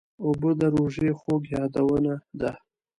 اوبه د روژې خوږ یادونه ده.